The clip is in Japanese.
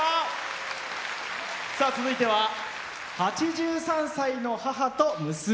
続いては８３歳の母と娘。